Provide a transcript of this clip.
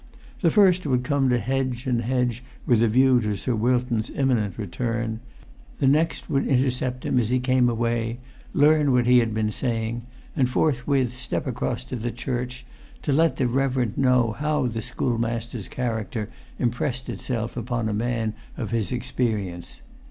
The first would come to hedge and hedge with a view to Sir Wilton's imminent return; the next would intercept him as he came away, learn what he had been saying, and forthwith step across to the church to let the reverend know how the schoolmaster's character impressed itself upon a man of his experience.